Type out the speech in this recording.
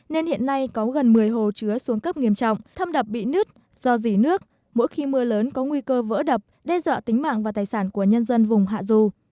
nên hiện nay có gần một mươi hồ chứa xuống cấp nghiêm trọng thâm đập bị nứt do dỉ nước mỗi khi mưa lớn có nguy cơ vỡ đập đe dọa tính mạng và tài sản của nhân dân vùng hạ dù